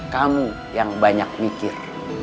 kamu yang banyak mikir